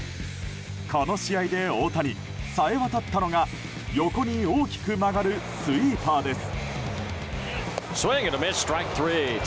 この試合で、大谷冴えわたったのが横に大きく曲がるスイーパーです。